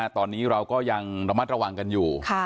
ตอนนี้เราก็ยังระมัดระวังกันอยู่